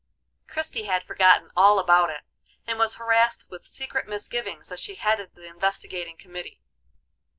Christie had forgotten all about it, and was harassed with secret misgivings as she headed the investigating committee.